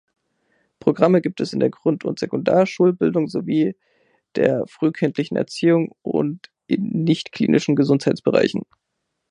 Programme gibt es in der Grund- und Sekundarschulbildung sowie der frühkindlichen Erziehung und in nicht-klinischen Gesundheitsbereichen.